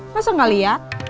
masa gak liat